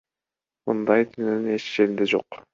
Мындай дүйнөнүн эч жеринде жок.